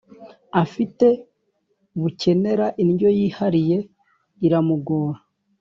afite bukenera indyo yihariye iramugora